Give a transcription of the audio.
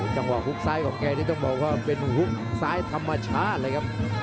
หุบซ้ายของแกนี่ต้องบอกว่าเป็นฮุกซ้ายธรรมชาติเลยครับ